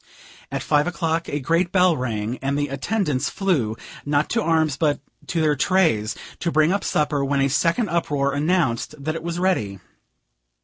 At five o'clock a great bell rang, and the attendants flew, not to arms, but to their trays, to bring up supper, when a second uproar announced that it was ready.